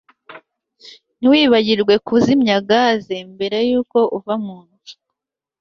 Ntiwibagirwe kuzimya gaze mbere yuko uva munzu